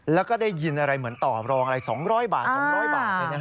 แล้วก็ได้ยินอะไรเหมือนต่อรองอะไร๒๐๐บาท๒๐๐บาท